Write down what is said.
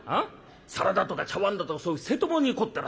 皿だとか茶わんだとかそういう瀬戸物に凝ってらっしゃる」。